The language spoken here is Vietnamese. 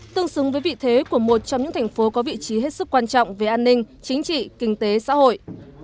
tương xứng với vị thế của một trong những thành phố có vị trí hết sức quan trọng về an ninh chính trị kinh tế xã hội